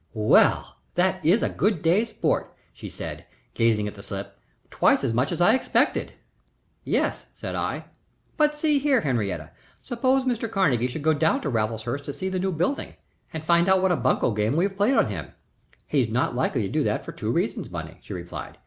"Well, that is a good day's sport!" she said, gazing at the slip. "Twice as much as I expected." "Yes," said I. "But see here, Henrietta, suppose Mr. Carnegie should go down to Raffleshurst to see the new building and find out what a bunco game we have played on him?" "He's not likely to do that for two reasons, Bunny," she replied.